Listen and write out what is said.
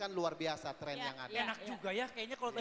dan mereka sudah menggunakan produk